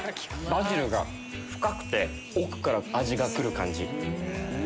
バジルが深くて奥から味が来る感じ。